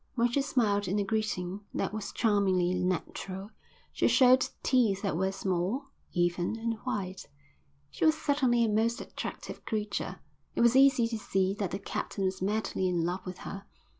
When she smiled in a greeting that was charmingly natural, she showed teeth that were small, even, and white. She was certainly a most attractive creature. It was easy to see that the captain was madly in love with her.